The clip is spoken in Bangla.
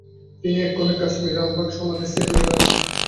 তিনি এক্ষণে কাশ্মীর, রামবাগ সমাধি, শ্রীনগরে আছেন।